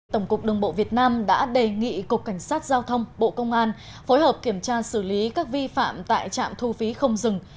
tổng cục đường bộ việt nam đã đề nghị cục cảnh sát giao thông bộ công an phối hợp kiểm tra xử lý các vi phạm tại trạm thu phí không dừng